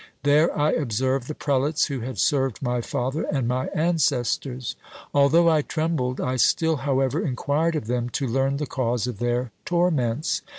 There I observed the prelates who had served my father and my ancestors. Although I trembled, I still, however, inquired of them to learn the cause of their torments.